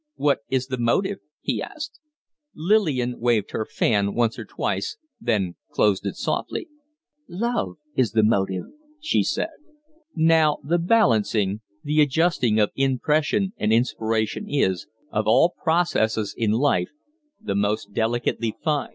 "What is the motive?" he asked. Lillian waved her fan once or twice, then closed it softly. "Love is the motive," she said. Now the balancing the adjusting of impression and inspirations, of all processes in life, the most delicately fine.